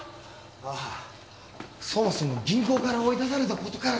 あそもそも銀行から追い出された事から。